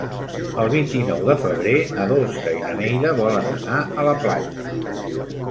El vint-i-nou de febrer na Dolça i na Neida volen anar a la platja.